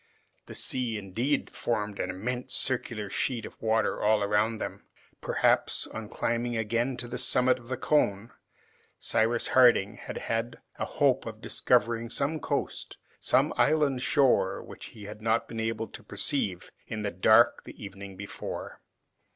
The sea, indeed, formed an immense circular sheet of water all around them! Perhaps, on climbing again to the summit of the cone, Cyrus Harding had had a hope of discovering some coast, some island shore, which he had not been able to perceive in the dark the evening before.